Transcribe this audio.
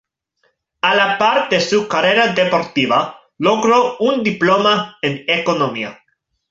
A la par de su carrera deportiva, logró un diploma en economía.